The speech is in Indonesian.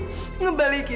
jangan panggil aku sia